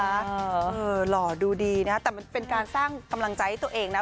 หล่อดูดีนะแต่มันเป็นการสร้างกำลังใจให้ตัวเองนะ